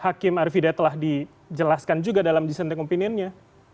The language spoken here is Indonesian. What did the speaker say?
hakim arvideh telah dijelaskan juga dalam dissenting opinion nya